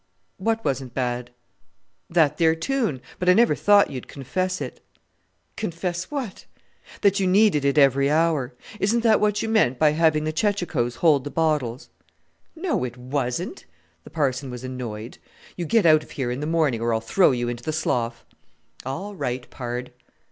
"What wasn't bad?" "That there tune; but I never thought you'd confess it." "Confess what?" "That you needed it every hour. Isn't that what you meant by having the chechachoes hold the bottles?" "No, it wasn't!" The Parson was annoyed. "You get out of here in the morning, or I'll throw you into the slough." "All right, Pard."